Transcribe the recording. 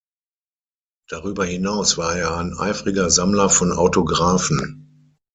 Darüber hinaus war er ein eifriger Sammler von Autographen.